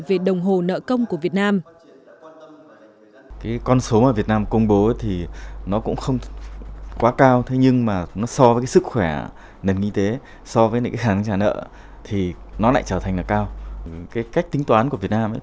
về đồng hồ nợ công của việt nam